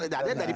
ya dari politik